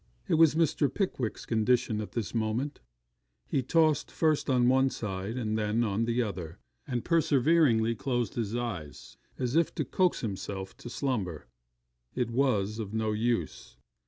It was Mr. Pickwick's condition at this moment: he tossed first on one side and then on the other; and perseveringly closed his eyes as if to coax himself to slumber. It was of no use.